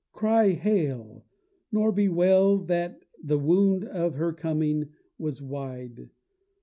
Cry hail! nor bewail that the wound of her coming was wide.